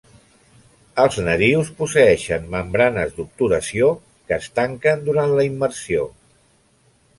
Els narius posseeixen membranes d'obturació, que es tanquen durant la immersió.